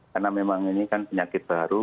karena memang ini kan penyakit baru